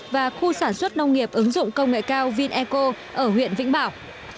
và khu sản xuất nông nghiệp ứng dụng công nghệ cao vineco ở huyện vĩnh bảo